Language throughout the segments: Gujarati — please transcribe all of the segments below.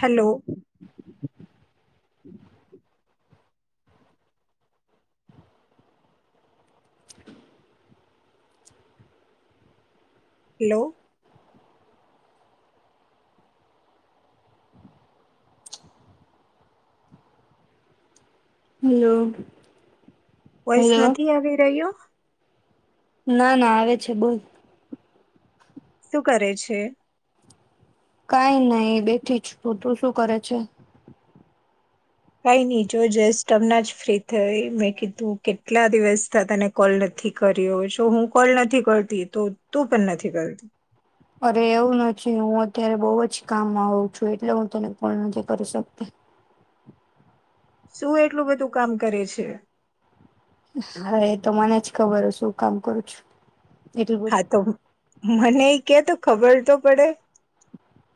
હલો. હલોવ હલો વોઇસ નથી આવી રહ્યો? ના ના આવે છે બોલ. શું કરે છે? કઈ નહી બેઠી છું તું શું કરે છે? કાઈ ની જો જસ્ટ અમનાજ ફ્રી થઈ મેં કીધું કેટલા દિવસ થી તને કોલ નથી કર્યો શું હું કોલ નથી કરતી તો તું પણ નથી કરતી. અરે એવું નથી હું અત્યારે બોવજ કામમાં હોવું છું એટલે હું તને ફોન નથી કરી શકતી. શું એટલું બધું કામ કરે છે? હા તો મને જ ખબર હ શું કામ કરું છું. એટલું હા બધું તો મને એ કેતો ખબર તો પડે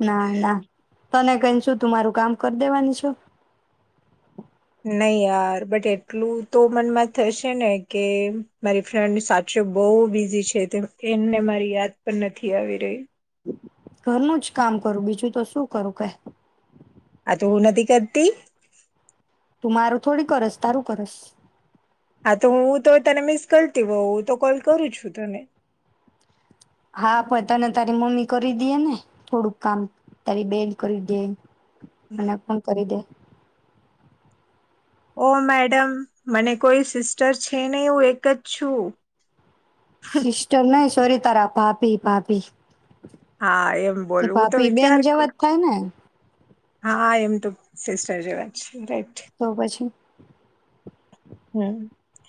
ના ના. તને કઈને શું? તું મારું કામ કરી દેવાની છો? નહી યાર બટ એટલું તો મનમાં થશે ને કે મારી ફ્રેન્ડ સાચો બઉ બિઝી છે. તે એમને મારી યાદ પણ નથી આવી રહી ઘરનું જ કામ કરું બીજું તો શું કરું કઈ. આ તુ નથી કરતી? તું મારું થોડી કરસ તારું કરસ. આ તો હું તો તને મિસ કરતી હોય હું તો કોલ કરું છું તને હા પ તને તારી મમ્મી કરી દેએ ને થોડુંક કામ તારી બેન કરી દે અને કોણ કરી દો ઓ મેડમ મને કોઈ સિસ્ટર છે, નહી હું એક જ છું. સિસ્ટર ને સોરી તારા ભાભી ભાભી હા એમ એ બોલવું તો ભાભી બેન વિચાર કર જેવા જ થાય ને હા એમ તો સિસ્ટર જેવા છે રાઈટ તો પછી હમ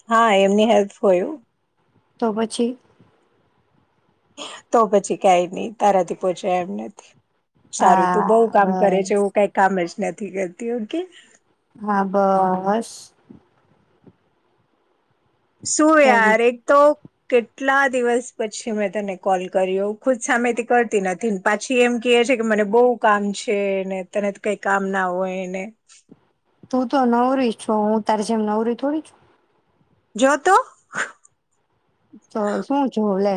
હા એમની હેલ્પ હોયું તો પછી તો પછી કાઈ ની તારાથી પોહોંચ્યા એમ નથી સારું તું બઉ હા કામ કરે છે, બસ એવું કઈ કામ જ ન થી કરતી એવું કે હા બસ શું કઈ યાર એક તો કેટલા દિવસ પછી મેં તને કોલ કર્યો ખુદ સામેથી કરતી નથી પાછી એમ કે છે, કે મને બો કામ છેને તને તો કઈ કામ ના હોયને તું તો નવરી છો હું તારી જેમ નવરી થોડી જો તો તો શું જો લે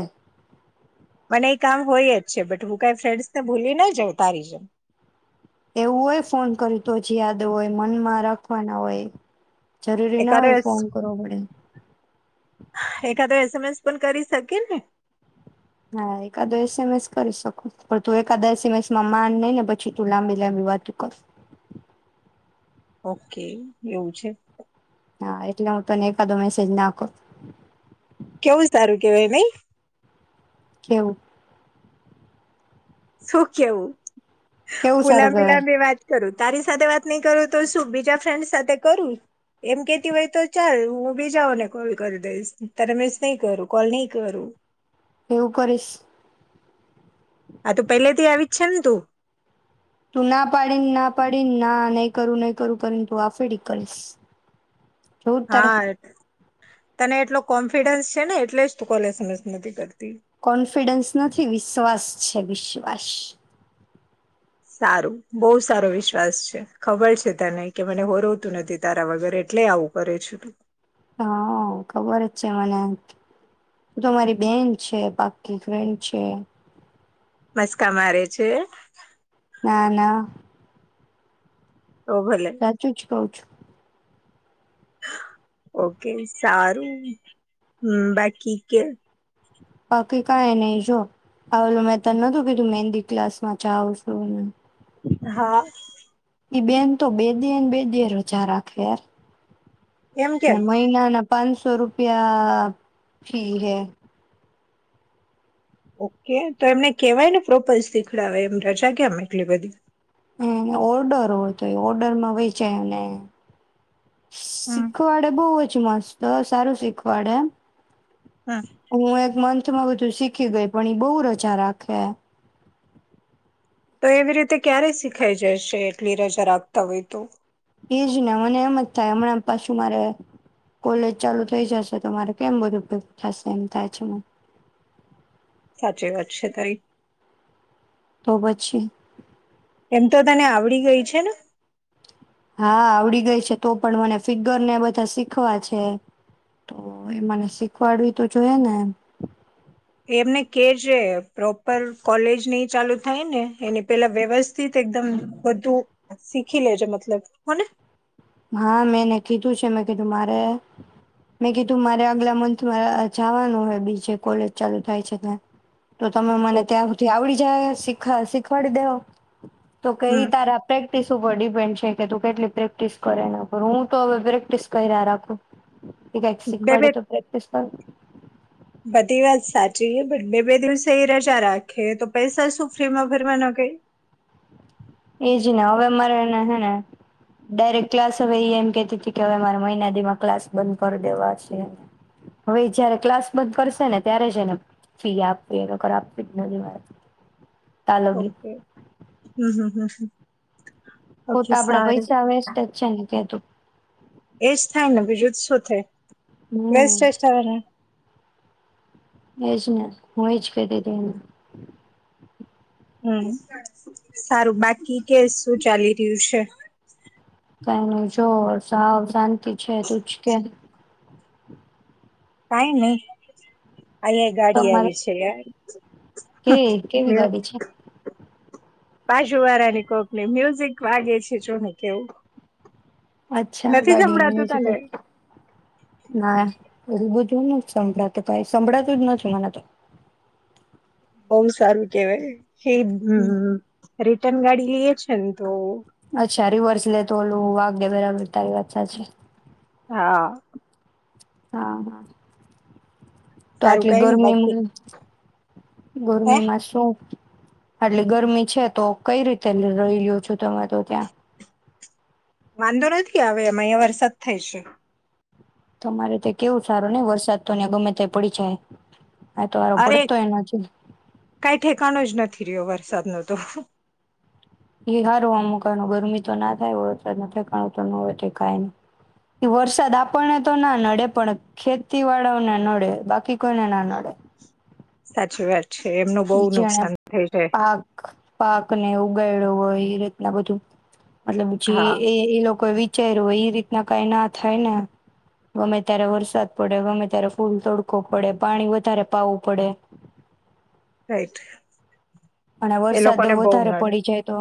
મને એ કામ હોય જ છે, બટ હું કઈ ફ્રેન્ડસ તો ભૂલી ના જઉ તારી જેમ એવું હોય ફોન કર્યું તો જે યાદ હોય મનમાં રાખવાના હોય જરૂરી ના હોય ફોન કરવો પડે એખાદ એસએમએસ પણ કરી શકે ને હા એકાદો એસેમેસ કરી શકો પણ તું એકાદા એસેમેસમાં માન નઈ ને પછી તું લાંબી લાંબી વાતો કર ઓકે એવું છે. હા એટલે હું તને એકાદો મેસેજ ના ક કેવું સારું કેવાય નઈ કેવું? શું કેવું? કેવું મુુ સારું કેવાય લાબીલાબી વાત કરું. તારી સાથે વાત નહી કરું તો શું બીજા ફ્રેન્ડ સાથે કરું એમ કેતી હોય તો ચાલ હું બીજાઓને કોલ કરી દઈશ તને મિસ નહી કરું કોલ નહી કરું એવું કરીશ આ તો પલેથી આવી છેલતુ તું ના પાડીન ના પાડીન ના નહી કરું નહી કરું તું આફેડી કરીશ જોવું તારે હા. તને એટલો કોન્ફિડન્સ છે, ને એટલે જ તું કોલેજ સમજ નથી કર કોન્ફિડન્સ નથી વિશ્વાસ વિશ્વાસ સારું બહુ સારો વિશ્વાસ છે ખબર છે તને કે મને [inaudible] નથી તારા વગર એટલે આવું કરે છુ તું હા ખબર જ છે મને તું તો મારી બેન છે પાકી ફ્રેન્ડ છે. મસ્કા મારે છે. ના ના. તો ભલે. કવ છું. ઓકે સારું હ બાકી કે. બાકી કઈ નહી જો આવેલું મેં ત નતીધું મેહદી ક્લાસ માં જાવશું. હા ઈ બેન તો બે દીએ ને બે દીએ રજા રાખે યાર. એમ કેમ મહિના ના. પાંચસો રૂપિયા ફી હૈ. ઓકે તો એમને કેવાયને પ્રોપઝ દીખડે એમ રજા કેમ એટલી બધી. હ ઓર્ડર હોઇ તો એ ઓર્ડર માં વેચાય અને હમ શીખવાડે બવ નાસ્તા સારું શીખવાડે એમ? હમ હું એક મન. વધુમાં બધું શીખી ગઈ પણ એ બહુ રજા રાખે. તો એવી રીતે ક્યારે શીખાઈ જશે એટલી રજા રાખતા હોય તો? એજ ને મને એમ જ થાય હમણાં પાછું મારે કોલેજ ચાલુ થઈ જશે તો મારે કેમ બધું થશે એમ થાય છે. સાચી વાત છે તારી તો પછી. એમ તો તને આવડી ગઈ છે ને? હા આવડી ગઈ છે તો પણ મને ફિગર ને બધા શીખવા છે તો એ મને શીખવાડવી તો જોઈને. એમને કે જે છે પ્રોપર કોલેજ ની ચાલુ થાય ને એની પેલા વ્યવસ્થિત એકદમ બધુ શીખી લે જે મતલબ હોને. હા મેંને કીધું છે મેં કીધું મારે મેં કીધું મારે આગલા મંન્થમાં જાવાનું હે બીજે કોલેજ ચાલુ થાય છે ત્યાં. તો તમે મને ત્યાં સુધી આવડી જાય સીક ખા શીખવાડી દેવ. તો હમ કઈ તારા પ્રેક્ટિસ ઉપર ડીપેન્ડ છે કે તું કેટલી પ્રેક્ટિસ. કરે નકર હું તો હવે પ્રેક્ટિસ કયરા રાખું. એ કાઈક્ બે શીખવાડ બે તો પ્રેક્ટિસ કરૂં જઈએ બટ બે બે દિવસે એ રજા રાખે તો પૈસા શું ફ્રી માં ભરવાના કઈ. ને હવે મારેને હેને ડાયરેક ક્લાસ હવે એ એમ કેતી હતી કે હવે મારે મહિના દી માં ક્લાસ બંધ કરી દેવા છે હવે જયારે ક્લાસ બંધ કરશે ને ત્યારે જ એને ફી આપવી નકર આપવી જ નથી મારે તાલગી ઓકેય હમ હમ હ ઓકે તો આપડા સારું પૈસા વેસ્ટ જ છે ને કેતું. એજ થાય ને બીજું જ શું હમ થાય. [unintelligible] એજ ને હું એજ કેતીતી એને હમ્મ, સારું બાકી કે, શું ચાલી રહ્યું છે? કાઈ નહીં જો સાવ [unintelligible] [inaudible] તું જ કે કાઈ નહી. અલ્યા ગાડી તમારે આવી છે યાર કે કેવી ગાડી છે [unintelligible] બાજુ વાળા ની કોકની મ્યુઝિક વાગે છે જો ને કેવું. અચ્છા નથી ગાડીમાં સંભળાતું તને [unintelligible] ના [unintelligible] [unintelligible] સંભળાતું કાંઈ, સંભળાતું જ નથી મને તો. બવ સારું કેવાય. હમ [unintelligible] [unintelligible] ગાડી લઈએ છે ને તો. અચ્છા રિવર્સ લે તો ઓલું વાગે બરાબર. તારી વાત સાચી. હા હા હા તો સારું આટલી કઈ નઈ બાકી ગરમીમાં હે ગરમીમાં શું આટલી ગરમી છે, તો કઈ રીતે રહી લ્યો છો તમે તો ત્યાં? વાંધો નથી આવે, એમ અહિયાં વરસાદ થાય છે. તમારે તે કેવું સારું નહીં, વરસાદ તો ને ગમે ત્યારે પડી જાય. આ તો હારો અરે પડતોય નથી કઈ ઠેકાણું જ નથી રહ્યો હવે સાદ નુંતો. એ હારૂ હમુકણાં નું ગરમી તો ના થાય વરસાદનું ઠેકાણું તો ન હોય તે કાય નઈ, ઈ વરસાદ આપણે તો ના નડે, પણ ખેતી વાળા ને નડે બાખી સાચી વાત. છે એમનું બહુ ઈ જેણે નુકસાન થઈ જાય. પાક ને ઉગાાયડ્યો હોય એ રીતના બધું. મતલબ પછી હા એ એ લોકો એ [unintelligible] [unintelligible] હોય એ રીતના કઈ ના થાય ને ગમે ત્યારે વરસાદ પડે ગમે ત્યારે ફૂલ તડકો પડે પાણી વધારે પાવું પડે. રાઈટ. અને એ વરસાદ લોકોને બહુ વધારે નડે પડી જાય તો.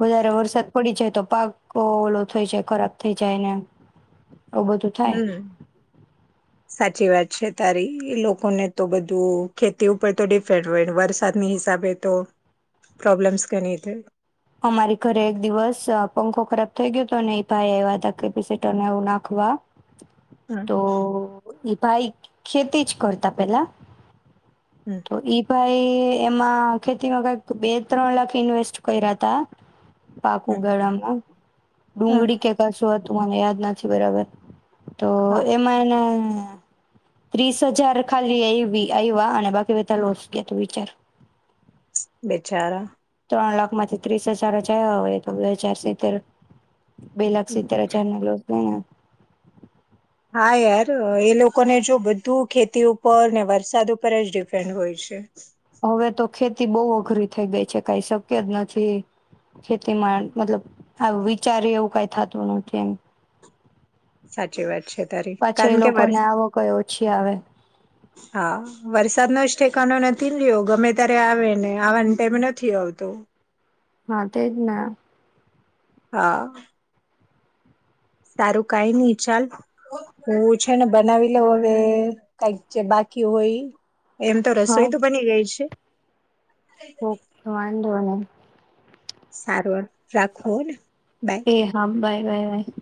વધારે વરસાદ પડી જાય તો પાક ઓલો થઈ જાય ખરાબ થઈ જાયને. હમ્મ, સાચી વાત. છે તારી એ લોકોને તો બધું ખેતી ઉપર તો ડીપેંડ હોય, વરસાદની હિસાબે તો પ્રોબ્લેમ્સ ઘણી થાય. અમારી ઘરે એક દિવસ પંખો ખરાબ થઈ ગયો હતો એ ભાઈ આવ્યા હતા કેપેસટરને એવું નાખવા. હમ્મ. તો ઈ ભાઈ, ખેતીજ કરતા પેલા. તો ઇ ભાઇ એમાં ખેતીમાં કઈક બે ત્રણ લાખ ઇન્વેસ્ટ કયરા હતા. હમ પાકું હમ ગાળામાં હમ ડુંગળી કે કશું તું મને યાદ નથી બરાબર. તો હા એમાં એના ત્રીસ હજાર ખાલી આયવી આયવા અને બાકી બધા લોસ ગ્યા, તું વિચાર. બેચારા. ત્રણ લાખમાંથી ત્રીસ હજાર જ આયવા હોય તો બે હજાર સિત્તેર બે લાખ હમ. સિતેર હજારનો લોન હમ. હા યાર, એ લોકોને જો બધું ખેતી ઉપર ને વરસાદ ઉપર જ ડિપેન્ડ હોય છે. હવે તો ખેતી ખેતી બહુ અઘરી થઈ ગઈ છે કઈ શક્ય જ નથી, ખેતીમાં મતલબ આવ વિચારીએ એવું કાંઈ થતું નથી એમ સાચી વાત છે, પાછી એ કારણ કે વર લોકોને આવકય ઓછી આવે હા વરસાદ નો ઠેકાનો નથી લ્યો ગમે ત્યારે આવે, ને આવાને ટાઈમે નથી આવતો. હા તેજને આ હા. સારું કઈ નઈ ચાલ, હું છે ને બનાવી લઉ હવે કંઈક જે બાકી હોય ઈ. એમ તો રસોઈ તો બની ગઈ છે. ઓ વાંધો નહીં. સારવાર રાખો ન એ હા બાય. Bye Y.